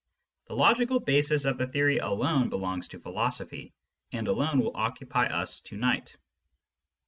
The logical basis of the theory alone belongs to philosophy, and alone will occupy us to night.